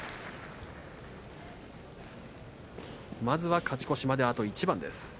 まずは勝ち越しまであと一番です